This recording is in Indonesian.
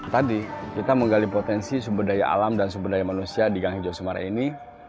tadi kita menggali potensi sumber daya alam dan sumber daya manusia di gang hijau sumara ini